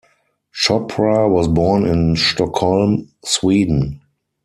Chopra was born in Stockholm, Sweden.